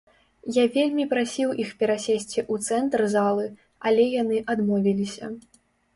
Я вельмі прасіў іх перасесці ў цэнтр залы, але яны адмовіліся.